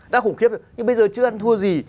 đã khủng khiếp nhưng bây giờ chưa ăn thua gì